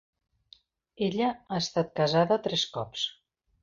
Ella ha estat casada tres cops.